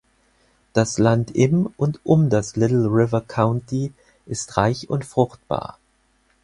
Das Land im und um das Little River County ist reich und fruchtbar.